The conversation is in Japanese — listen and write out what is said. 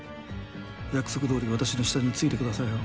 約束どおり私の下に付いてくださいよ。